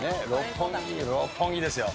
六本木ですよ。